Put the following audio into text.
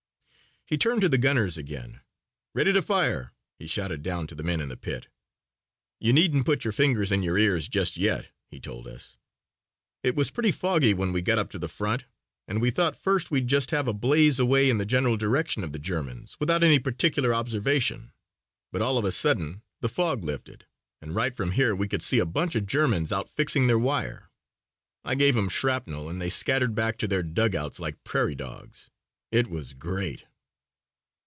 He turned to the gunners again. "Ready to fire," he shouted down to the men in the pit. "You needn't put your fingers in your ears just yet," he told us. "It was pretty foggy when we got up to the front and we thought first we'd just have to blaze away in the general direction of the Germans without any particular observation. But all of a sudden the fog lifted and right from here we could see a bunch of Germans out fixing their wire. I gave 'em shrapnel and they scattered back to their dugouts like prairie dogs. It was great!"